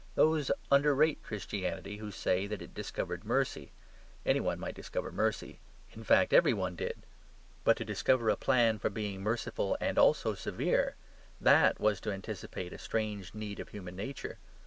Those underrate Christianity who say that it discovered mercy; any one might discover mercy. In fact every one did. But to discover a plan for being merciful and also severe THAT was to anticipate a strange need of human nature.